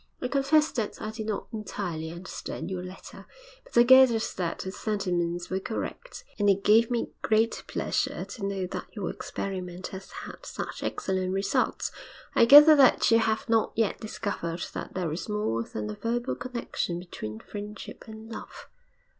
I confess that I did not entirely understand your letter, but I gathered that the sentiments were correct, and it gave me great pleasure to know that your experiment has had such excellent results. I gather that you have not yet discovered that there is more than a verbal connection between Friendship and Love.